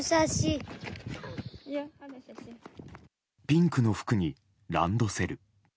ピンクの服にランドセル。